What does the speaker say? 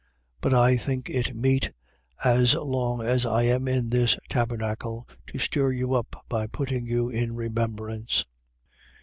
1:13. But I think it meet, as long as I am in this tabernacle, to stir you up by putting you in remembrance.